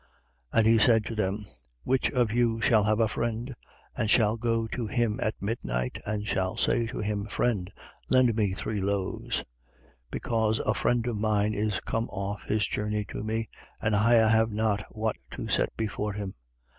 11:5. And he said to them: Which of you shall have a friend and shall go to him at midnight and shall say to him: Friend, lend me three loaves, 11:6. Because a friend of mine is come off his journey to me and I have not what to set before him.